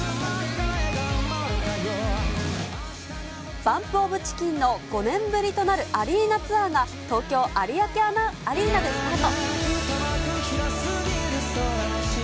ＢＵＭＰＯＦＣＨＩＣＫＥＮの５年ぶりとなるアリーナツアーが、東京・有明アリーナでスタート。